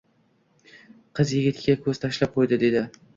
Qiz yigitga koʻz tashlab qoʻyib dedi.